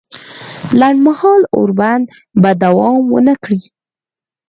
لنډ مهاله اوربند به دوام ونه کړي